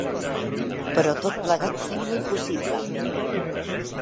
Però tot plegat sembla impossible.